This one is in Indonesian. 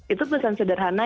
itu pesan sederhana